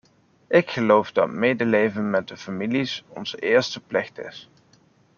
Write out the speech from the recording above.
Ik geloof dat medeleven met de families onze eerste plicht is.